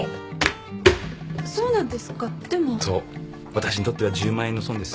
私にとっては１０万円の損です。